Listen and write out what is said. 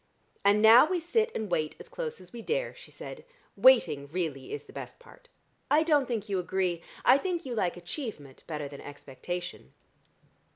"And now we sit and wait as close as we dare," she said. "Waiting, really is the best part. I don't think you agree. I think you like achievement better than expectation."